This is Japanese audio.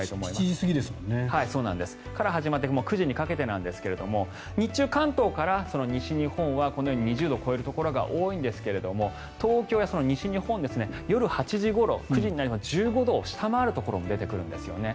から始まって９時にかけてなんですが日中、関東から西日本はこのように２０度を超えるところが多いんですが東京や西日本夜８時ごろ９時になりますと１５度を下回るところも出てくるんですよね。